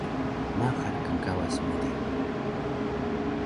Maxal knkawas mu di